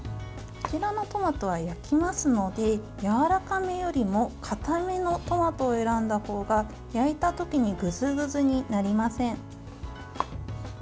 こちらのトマトは焼きますのでやわらかめよりも固めのトマトを選んだほうが焼いたときにぐずぐずになりません。